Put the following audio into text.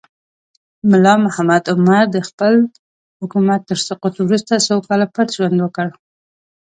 ملا محمد عمر د خپل حکومت تر سقوط وروسته څو کاله پټ ژوند وکړ.